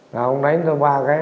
là ông đánh tôi ba cái